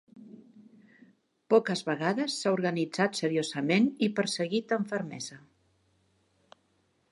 Poques vegades s'ha organitzat seriosament i perseguit amb fermesa.